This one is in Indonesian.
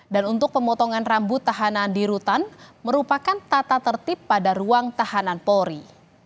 dan untuk pemotongan rambut tahanan di rutan merupakan tata tertib pada ruang tahanan polri